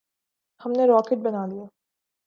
ہم نے راکٹ بنا لیے۔